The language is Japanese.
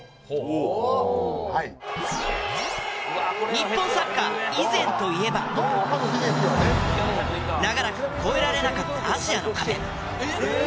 日本サッカー以前といえば長らく越えられなかったアジアの壁。